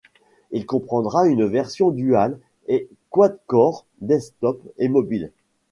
Il comprendra une version Dual et Quad core, desktop et mobile.